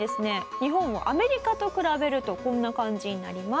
日本をアメリカと比べるとこんな感じになります。